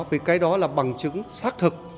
vì cái đó là bằng chứng xác thực